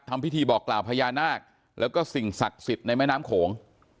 ทำพิธีบอกกล่าวพญานาคแล้วก็สิ่งศักดิ์สิทธิ์ในแม่น้ำโขง